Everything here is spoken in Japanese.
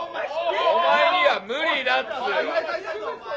お前には無理だっつうの。